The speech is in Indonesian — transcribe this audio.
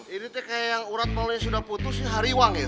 ini tuh kayak yang urat mulanya sudah putus hariwang ya